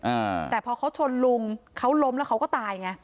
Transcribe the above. อ่าแต่พอเขาชนลุงเขาล้มแล้วเขาก็ตายไง